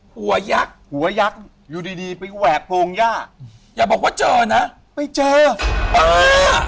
หัวยักษ์หัวยักษ์อยู่ดีดีไปแหวกโพรงย่าอย่าบอกว่าเจอนะไปเจออ่า